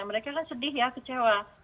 mereka kan sedih ya kecewa